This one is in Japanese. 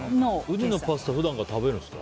ウニのパスタ普段から食べるんですか。